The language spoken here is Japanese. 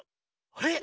あれ⁉